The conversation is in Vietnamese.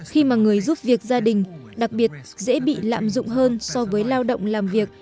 khi mà người giúp việc gia đình đặc biệt dễ bị lạm dụng hơn so với lao động làm việc